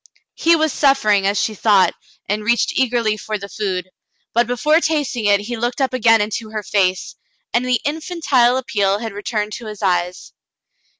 He was suffering, as she thought, and reached eagerly for the food, but before tasting it he looked up again into her face, and the infantile appeal had returned to his eyes.